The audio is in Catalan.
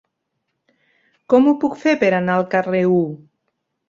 Com ho puc fer per anar al carrer U?